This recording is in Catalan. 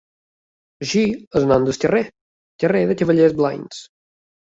Així, el nom del carrer: "carrer de cavallers blancs".